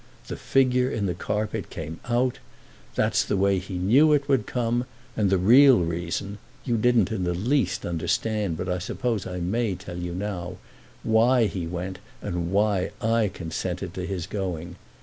The figure in the carpet came out. That's the way he knew it would come and the real reason—you didn't in the least understand, but I suppose I may tell you now—why he went and why I consented to his going.